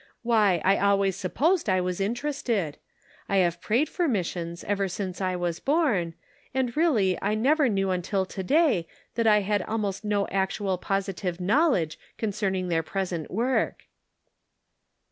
Why, I always supposed I was interested. I have prayed for missions ever since I was born, and really I never knew until to day, that I had almost no actual positive knowledge concerning their present work."